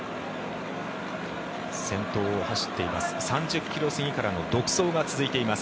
先頭を走っています３０ｋｍ過ぎからの独走が続いています。